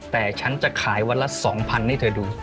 แต่ฉันจะขายวันละ๒๐๐๐ให้เธอดู